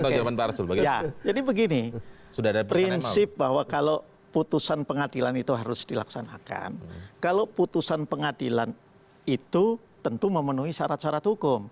jadi begini prinsip bahwa kalau putusan pengadilan itu harus dilaksanakan kalau putusan pengadilan itu tentu memenuhi syarat syarat hukum